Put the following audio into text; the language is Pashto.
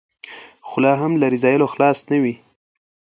خو لا هم له رذایلو خلاص نه وي.